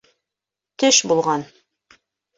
Төш булған!